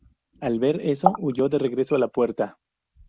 Al ver eso, huyó de regreso a la puerta.